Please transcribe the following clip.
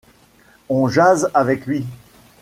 On jase avec lui.